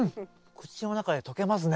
口の中で溶けますね。